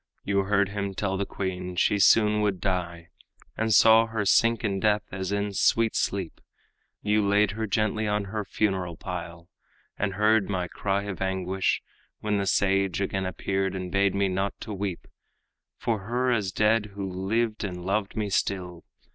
You heard him tell the queen she soon would die, And saw her sink in death as in sweet sleep; You laid her gently on her funeral pile, And heard my cry of anguish, when the sage Again appeared and bade me not to weep For her as dead who lived and loved me still.